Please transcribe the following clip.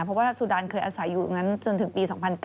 เพราะว่าสุดานเคยอาศัยอยู่อยู่อย่างนั้นจนถึงปี๒๐๐๙